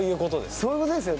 そういうことですよね。